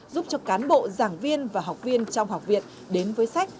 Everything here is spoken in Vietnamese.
giúp cho cán bộ giảng viên và học viên trong học viện đến với sách